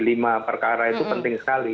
lima perkara itu penting sekali